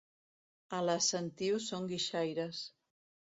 A la Sentiu són guixaires.